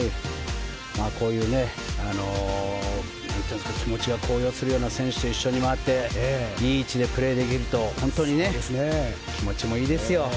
こういう気持ちが高揚するような選手と回っていい位置でプレーできると本当に気持ちもいいですよ。